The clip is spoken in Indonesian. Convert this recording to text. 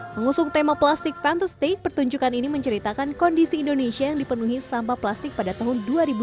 mengusung tema plastik fantastik pertunjukan ini menceritakan kondisi indonesia yang dipenuhi sampah plastik pada tahun dua ribu dua puluh